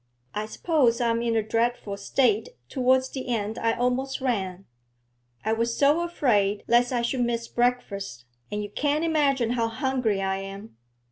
'I suppose I'm in a dreadful state; towards the end I almost ran. I was so afraid lest I should miss breakfast, and you can't imagine how hungry I am.